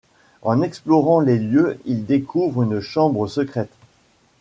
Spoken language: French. En explorant les lieux ils découvrent une chambre secrète.